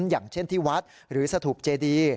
อย่างเช่นที่วัดหรือสถุปเจดี